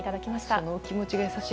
その気持ちが優しい。